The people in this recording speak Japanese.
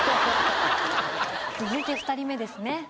続いて２人目ですね。